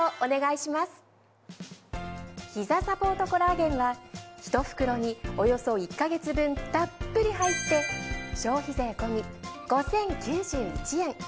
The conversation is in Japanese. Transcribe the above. ひざサポートコラーゲンは１袋におよそ１ヵ月分たっぷり入って消費税込み５，０９１円。